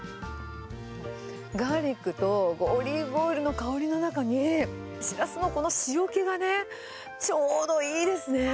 ガーリックとオリーブオイルの香りの中に、シラスのこの塩気がね、ちょうどいいですね。